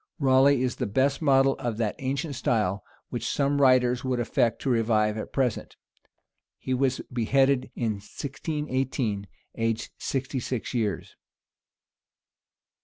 Raleigh is the best model of that ancient style which some writers would affect to revive at present. He was beheaded in 1618, aged sixty six years.